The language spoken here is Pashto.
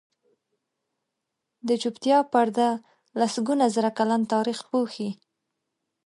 د چوپتیا پرده لسګونه زره کلن تاریخ پوښي.